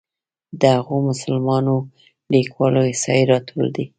د هغو مسلمانو لیکوالو احصایې راټولول ده.